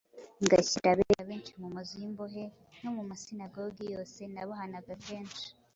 ngashyira abera benshi mu mazu y’imbohe,…No mu masinagogi yose nabahanaga kenshi,